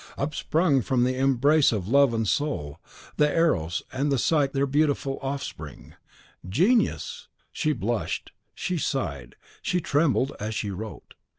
Upsprung from the embrace of Love and Soul the Eros and the Psyche their beautiful offspring, Genius! She blushed, she sighed, she trembled as she wrote.